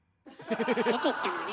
出ていったのね。